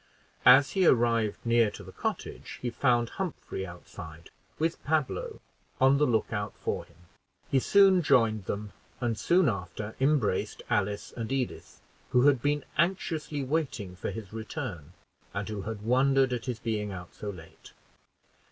As he arrived near to the cottage he found Humphrey outside, with Pablo, on the look out for him. He soon joined them, and soon after embraced Alice and Edith, who had been anxiously waiting for his return, and who had wondered at his being out so late.